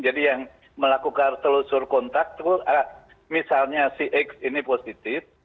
jadi yang melakukan telusur kontak tuh misalnya si x ini positif